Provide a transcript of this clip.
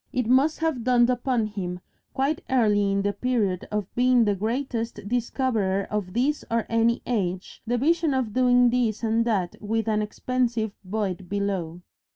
It must have dawned upon him quite early in the period of being the Greatest Discoverer of This or Any Age, the vision of doing this and that with an extensive void below.